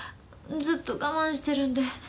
ずっと我慢してるんで。